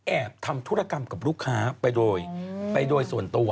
ทำธุรกรรมกับลูกค้าไปโดยไปโดยส่วนตัว